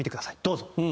どうぞ。